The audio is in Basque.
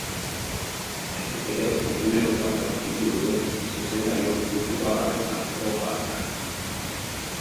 Berriz ere, egunerokoan aurkitu dute zuzendariok publikoa barrez jartzeko bazka.